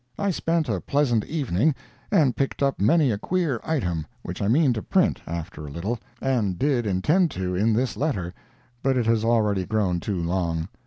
I spent a pleasant evening and picked up many a queer item which I mean to print after a little, and did intend to in this letter, but it has already grown too long.